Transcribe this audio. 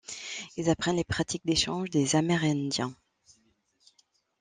Ils apprennent les pratiques d'échange des Amérindiens.